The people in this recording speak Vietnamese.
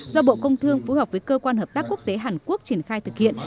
do bộ công thương phối hợp với cơ quan hợp tác quốc tế hàn quốc triển khai thực hiện